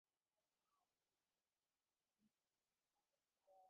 যতরকমের বাজে কাজ করিবার ভার তাহারই উপরে।